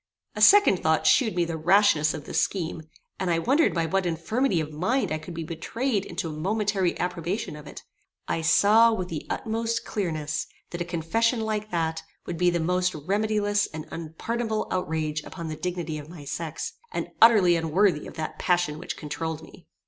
A second thought shewed me the rashness of this scheme, and I wondered by what infirmity of mind I could be betrayed into a momentary approbation of it. I saw with the utmost clearness that a confession like that would be the most remediless and unpardonable outrage upon the dignity of my sex, and utterly unworthy of that passion which controuled me.